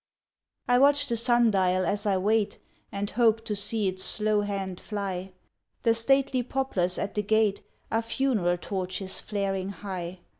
I watch the sun dial as I wait And hope to see its slow hand fly. The stately poplars at the gate Are funeral torches flaring high.